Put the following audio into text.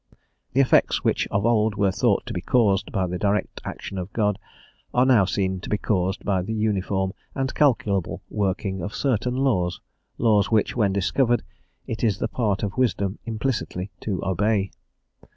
The effects which of old were thought to be caused by the direct action of God are now seen to be caused by the uniform and calculable working of certain laws laws which, when discovered, it is the part of wisdom implicitly to obey.